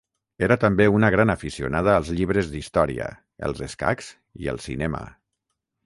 Era també una gran aficionada als llibres d'història, els escacs i el cinema.